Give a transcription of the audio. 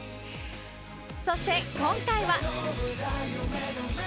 そして、今回は。